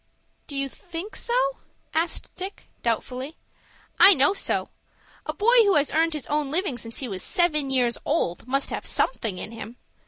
"Do you think so?" asked Dick, doubtfully. "I know so. A boy who has earned his own living since he was seven years old must have something in him.